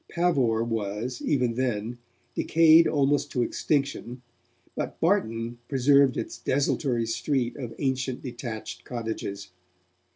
Pavor was, even then, decayed almost to extinction, but Barton preserved its desultory street of ancient, detached cottages.